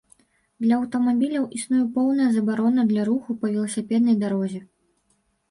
Для аўтамабіляў існуе поўная забарона для руху па веласіпеднай дарозе.